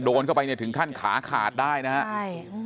โดนเข้าไปเนี่ยถึงขั้นขาขาดได้นะฮะใช่